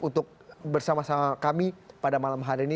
untuk bersama sama kami pada malam hari ini